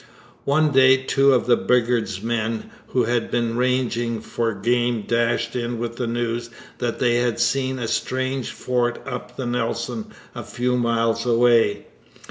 One day two of Bridgar's men who had been ranging for game dashed in with the news that they had seen a strange fort up the Nelson a few miles away.